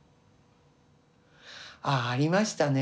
ああありましたね。